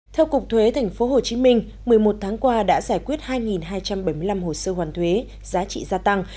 theo cục thuế tp hcm một mươi một tháng qua đã giải quyết hai hai trăm bảy mươi năm hồ sơ hoàn thuế giá trị gia tăng